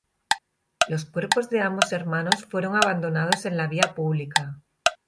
Los cuerpos de ambos hermanos fueron abandonados en la vía pública.